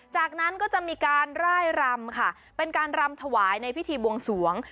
จากนั้นก็จะมีการร่ายรำค่ะเป็นการรำถวายในพิธีบวงสวง